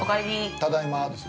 ◆ただいまですよ。